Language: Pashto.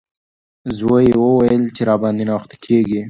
زوی یې وویل چې راباندې ناوخته کیږي.